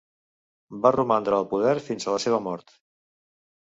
Va romandre al poder fins a la seva mort.